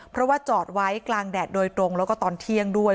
เพราะว่าจอดไว้กลางแดดโดยตรงแล้วก็ตอนเที่ยงด้วย